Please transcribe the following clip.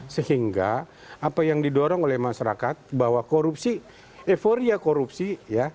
sehingga apa yang didorong oleh masyarakat bahwa korupsi euforia korupsi ya